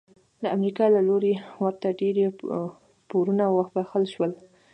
د امریکا له لوري ورته ډیری پورونه وبخښل شول.